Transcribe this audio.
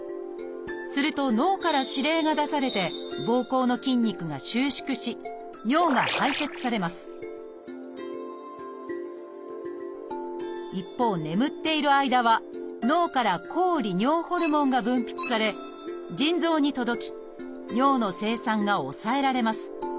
すると脳から指令が出されてぼうこうの筋肉が収縮し尿が排泄されます一方眠っている間は脳から抗利尿ホルモンが分泌され腎臓に届き尿の生産が抑えられます。